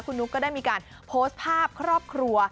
คุณนุ๊กก็ได้มีการโพสต์ภาพครอบครัว